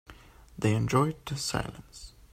They enjoyed the silence.